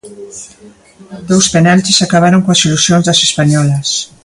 Dous penaltis acabaron coas ilusións das españolas.